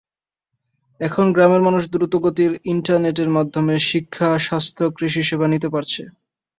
এখন গ্রামের মানুষ দ্রুতগতির ইন্টারনেটের মাধ্যমে শিক্ষা, স্বাস্থ্য, কৃষিসেবা নিতে পারছে।